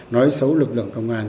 nói xấu lực lượng công an